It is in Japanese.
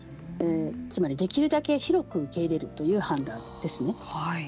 つまり、できるだけ広く受け入れるという判断ですね。